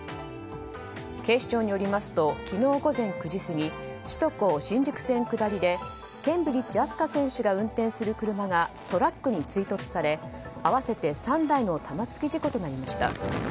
警視庁によりますと昨日午前９時過ぎ首都高新宿線下りでケンブリッジ飛鳥選手が運転する車がトラックに追突され合わせて３台の玉突き事故となりました。